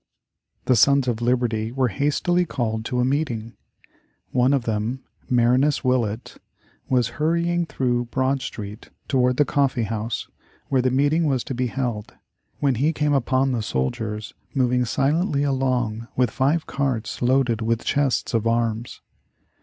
The Sons of Liberty were hastily called to a meeting. One of them, Marinus Willett, was hurrying through Broad Street toward the Coffee House where the meeting was to be held, when he came upon the soldiers moving silently along with five carts loaded with chests of arms.